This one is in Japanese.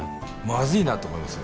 まずいなと思いますよ。